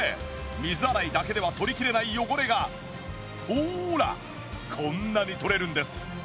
水洗いだけでは取りきれない汚れがほらこんなに取れるんです。